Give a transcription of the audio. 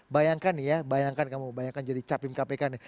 bayangkan nih ya bayangkan kamu bayangkan jadi capim kpk nih